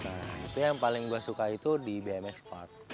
nah itu yang paling gue suka itu di bmx park